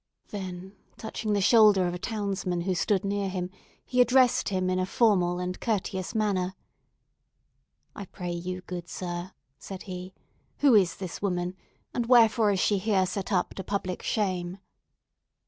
Then touching the shoulder of a townsman who stood near to him, he addressed him in a formal and courteous manner: "I pray you, good Sir," said he, "who is this woman?—and wherefore is she here set up to public shame?"